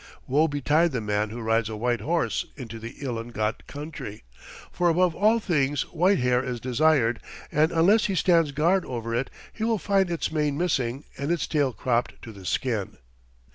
] Woe betide the man who rides a white horse into the Ilongot country, for above all things white hair is desired, and unless he stands guard over it, he will find its mane missing and its tail cropped to the skin.